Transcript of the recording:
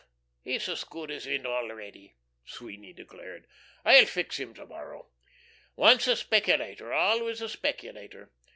"He's as good as in already," Sweeny declared. "I'll fix him to morrow. Once a speculator, always a speculator.